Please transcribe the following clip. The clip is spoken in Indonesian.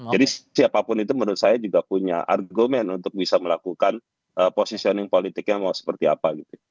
jadi siapapun itu menurut saya juga punya argumen untuk bisa melakukan posisioning politiknya mau seperti apa gitu